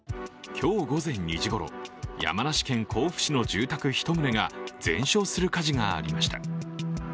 今日午前２時ごろ、山梨県甲府市の住宅１棟が全焼する火事がありました。